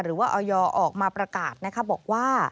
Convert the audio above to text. หรือว่าออยอออกมาประกาศบอกว่า